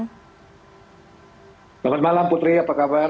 selamat malam putri apa kabar